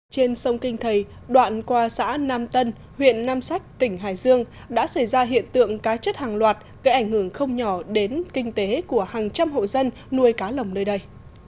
trên sông kinh thầy đoạn qua xã nam tân huyện nam sách tỉnh hải dương đã xảy ra hiện tượng cá chết hàng loạt gây ảnh hưởng không nhỏ đến kinh tế của hàng trăm hộ dân nuôi cá lồng nơi đây